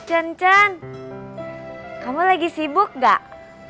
ntar siang beliin nasi padang ya bang